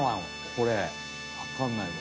これわかんないわ。